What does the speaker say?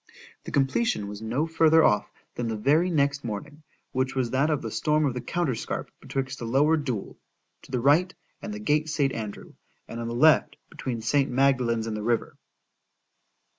The completion was no further off, than the very next morning; which was that of the storm of the counterscarp betwixt the Lower Deule, to the right, and the gate St. Andrew,—and on the left, between St. Magdalen's and the river.